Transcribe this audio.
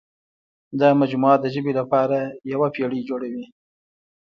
دا مجموعه د ژبې لپاره یوه پېړۍ جوړوي.